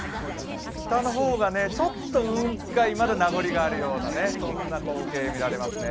下の方がちょっと雲海、まだ名残があるような光景が見られますね。